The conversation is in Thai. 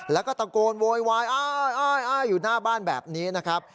แล้วก็ตะโกนโวยวายอ้ายอยู่หน้าบ้านแบบนี้นะครับ